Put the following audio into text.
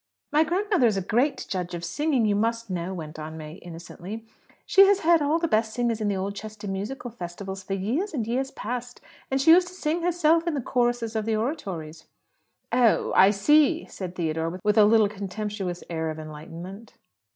"My grandmother is a great judge of singing, you must know," went on May innocently. "She has heard all the best singers at the Oldchester Musical Festivals for years and years past, and she used to sing herself in the choruses of the oratorios." "Oh, I see!" said Theodore, with a little contemptuous air of enlightenment.